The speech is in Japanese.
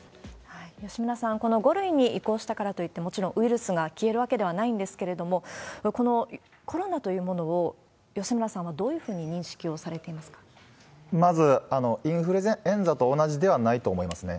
吉村さん、この５類に移行したからといって、もちろんウイルスが消えるわけではないんですけれども、このコロナというものを、吉村さんはどういうふうに認識をされてまず、インフルエンザと同じではないと思いますね。